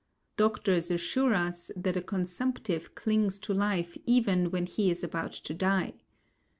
Doctors assure us that a consumptive clings to life even when he is about to die.